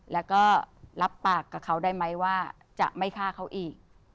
แล้วก็รับปากกับเขาได้ไหมว่าจะไม่ฆ่าเขาอีก